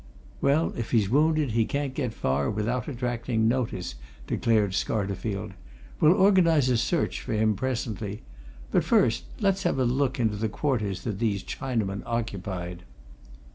"Well, if he's wounded, he can't get far without attracting notice," declared Scarterfield. "We'll organize a search for him presently. But first let's have a look into the quarters that these Chinamen occupied."